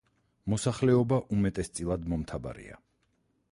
მოსახლეობა უმეტესწილად მომთაბარეა.